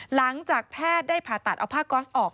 หลังจากแพทย์ได้ผ่าตัดเอาผ้าก๊อสออก